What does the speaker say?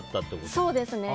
そうですね。